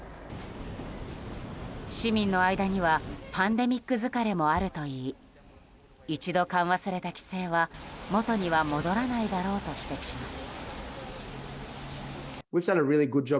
市民の間にはパンデミック疲れもあるといい一度緩和された規制は元には戻らないだろうと指摘します。